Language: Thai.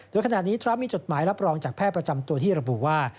โดยขณะนี้ทรัมป์มีจดหมายรับรองจากแพทย์ประจำตัวที่ระบุว่า